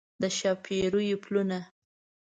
د ښاپیریو پلونه